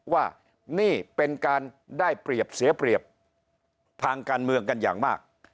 ว่านี่เป็นการได้เปรียบเสียเปรียบทางการเมืองกันอย่างมาก